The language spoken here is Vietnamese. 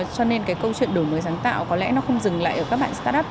cho nên cái câu chuyện đổi mới sáng tạo có lẽ nó không dừng lại ở các bạn start up